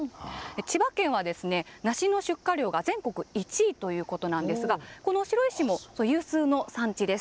千葉県はですね梨の出荷量が全国１位ということなんですがこの白井市も有数の産地です。